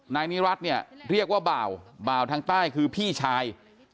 นายนิรัติเนี่ยเรียกว่าบ่าวบ่าวทางใต้คือพี่ชาย